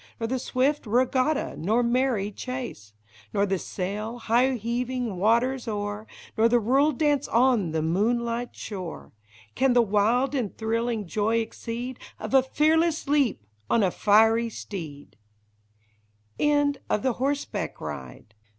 Nor the swift regatta, nor merry chase. Nor the sail, high heaving waters o'er. Nor the rural dance on the moonlight shore, Can the wild and thrilling joy exceed Of a fearless leap on a fiery steed !